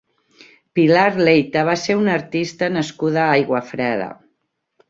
Pilar Leita va ser una artista nascuda a Aiguafreda.